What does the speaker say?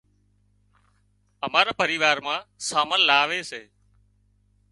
امارا پريوار مان سامان لاوي سي